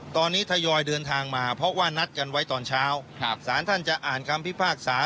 ตอนนี้ทยอยเดินทางมาเพราะว่านัดกันไว้ตอนเช้าสารท่านจะอ่านคำพิพากษา